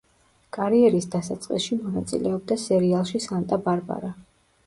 კარიერის დასაწყისში მონაწილეობდა სერიალში „სანტა-ბარბარა“.